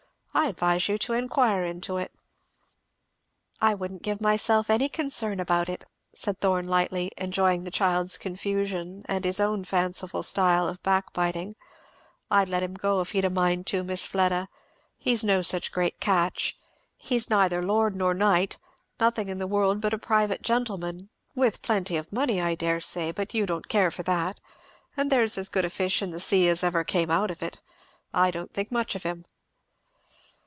I advise you to enquire into it." "I wouldn't give myself any concern about it!" said Thorn lightly, enjoying the child's confusion and his own fanciful style of backbiting, "I'd let him go if he has a mind to, Miss Fleda. He's no such great catch. He's neither lord nor knight nothing in the world but a private gentleman, with plenty of money I dare say, but you don't care for that; and there's as good fish in the sea as ever came out of it. I don't think much of him!"